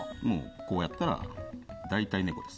こうやったら大体猫です。